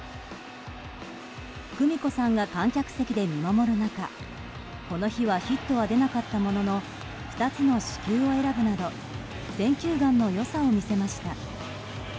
久美子さんが観客席で見守る中この日はヒットは出なかったものの２つの四球を選ぶなど選球眼の良さを見せました。